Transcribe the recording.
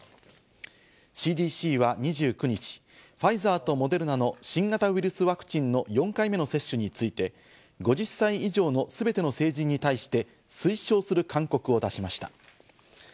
ＣＤＣは２９日、ファイザーとモデルナの新型ウイルスワクチンの４回目の接種について、５０歳以上のすべての成人に対して推奨する勧告を出しました。